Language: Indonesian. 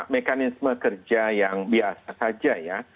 mekanisme kerja yang biasa saja ya